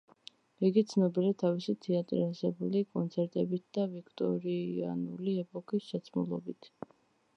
იგი ცნობილია თავისი თეატრალიზებული კონცერტებით და ვიქტორიანული ეპოქის ჩაცმულობით.